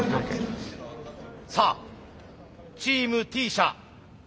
さあチームＴ社。